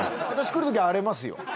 私来るとき荒れますよ。